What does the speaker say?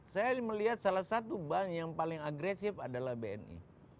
saya melihat salah satu bank yang paling agresif adalah bni